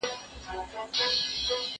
زه پرون ځواب وليکه!؟